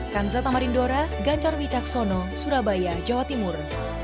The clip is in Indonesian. kansa tamarindora gancar wijaksono surabaya jawa timur